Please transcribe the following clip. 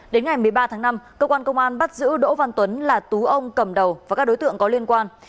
đến ngày một mươi ba tháng năm cơ quan công an bắt giữ đỗ văn tuấn là tú ông cầm đầu và các đối tượng có liên quan